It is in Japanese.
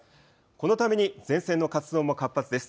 このために前線の活動も活発です。